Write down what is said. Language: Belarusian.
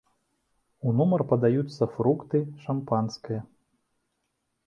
У нумар падаюцца фрукты шампанскае.